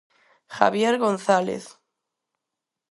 Javier González.